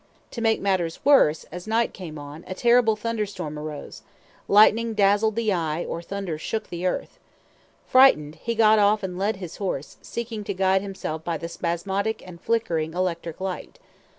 To make matters worse, as night came on, a terrible thunder storm arose; lightning dazzled the eye or thunder shook the earth. Frightened, he got off and led his horse, seeking to guide himself by the spasmodic and flickering electric light.